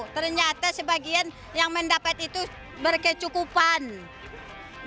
ternyata sebagian yang mendapat itu berkecukupan